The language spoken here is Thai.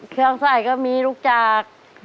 เครื่องใส่ก็มีลูกจาก